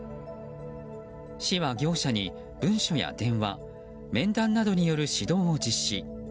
市は、業者に文書や電話面談などによる指導を実施。